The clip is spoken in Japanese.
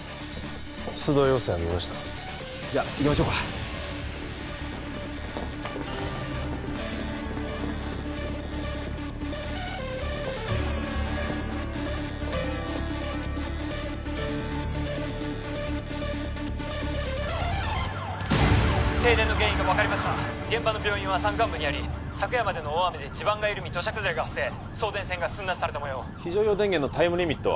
出動要請は見ましたじゃあ行きましょうか停電の原因が分かりました現場の病院は山間部にあり昨夜までの大雨で地盤が緩み土砂崩れが発生送電線が寸断されたもよう非常用電源のタイムリミットは？